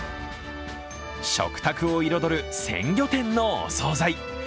食卓を彩る鮮魚店のお総菜。